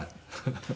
ハハハハ。